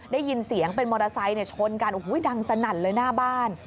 ได้ยินเสียงเป็นมอเตอร์ไซค์ชนกันโอ้โหดังสนั่นเลยหน้าบ้าน